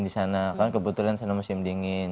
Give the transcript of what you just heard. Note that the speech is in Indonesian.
di sana kan kebetulan sana musim dingin